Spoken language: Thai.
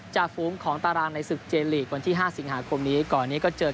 จะฟูมของตารางในศึกเจนลีก